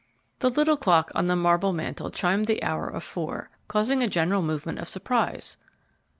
The little clock on the marble mantel chimed the hour of four, causing a general movement of surprise.